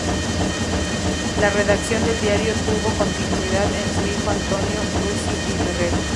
La redacción del diario tuvo continuidad en su hijo Antonio Brusi y Ferrer.